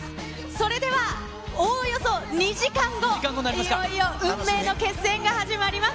それではおおよそ２時間後、いよいよ運命の決戦が始まります。